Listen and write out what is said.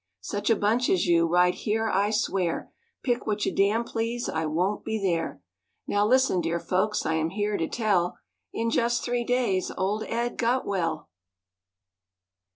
Such a bunch as you,—right here I swear, Pick what you damn please, I won't be there." Now listen, dear folks, I am here to tell, In just three days old Ed got well.